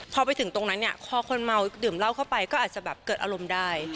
พอไปถึงตรงนั้นเนี่ยพอคนเมาดื่มเหล้าเข้าไปก็อาจจะแบบเกิดอารมณ์ได้